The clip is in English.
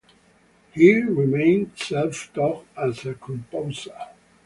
He remained self-taught as a composer.